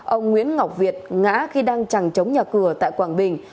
ông nguyễn ngọc việt ngã khi đang chẳng chống nhà cửa tại quảng bình